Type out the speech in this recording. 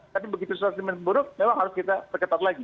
tapi begitu situasi buruk memang harus kita perketat lagi